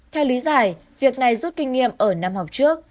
theo lý giải việc này rút kinh nghiệm ở năm học trước